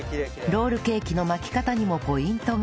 ロールケーキの巻き方にもポイントが